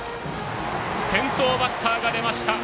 先頭バッターが出ました。